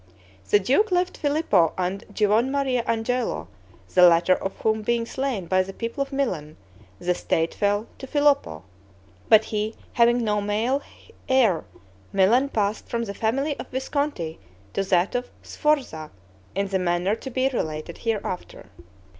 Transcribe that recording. The duke left Filippo and Giovanmaria Angelo, the latter of whom being slain by the people of Milan, the state fell to Filippo; but he having no male heir, Milan passed from the family of Visconti to that of Sforza, in the manner to be related hereafter.